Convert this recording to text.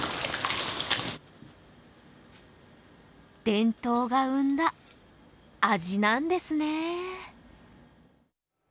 伝統が生んだ味なんですね。